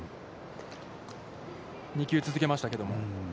２球続けましたけど。